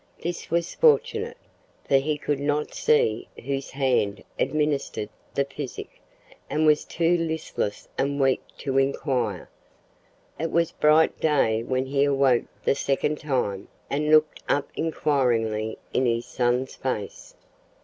This was fortunate, for he could not see whose hand administered the physic, and was too listless and weak to inquire. It was bright day when he awoke the second time and looked up inquiringly in his son's face.